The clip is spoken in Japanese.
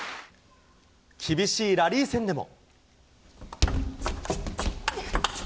厳しいラリー戦でも。